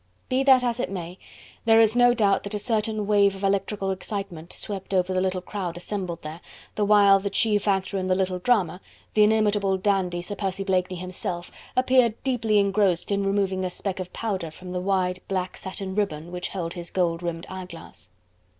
Be that as it may, there is no doubt that a certain wave of electrical excitement swept over the little crowd assembled there, the while the chief actor in the little drama, the inimitable dandy, Sir Percy Blakeney himself, appeared deeply engrossed in removing a speck of powder from the wide black satin ribbon which held his gold rimmed eyeglass.